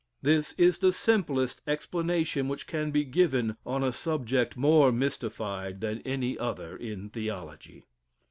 This is the simplest explanation which can be given on a subject more mystified than any other in theology.